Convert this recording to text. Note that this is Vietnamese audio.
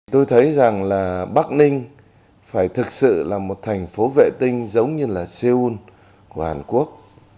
tôi thấy rằng là bắc ninh phải thực sự là một thành phố vệ tinh giống như là seoul của hàn quốc